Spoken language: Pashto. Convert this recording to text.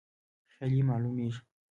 خیالي معلومیږي.